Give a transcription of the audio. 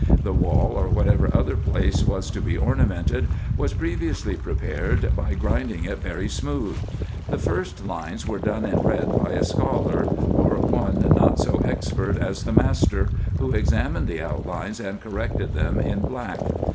The wall or whatever other place was to be ornamented was previously prepared, by grinding it very smooth. The first lines were done in red by a scholar, or one not so expert as the master, who examined the outlines, and corrected them in black.